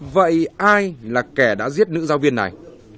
vậy ai là kẻ đã giết nữ giáo viên này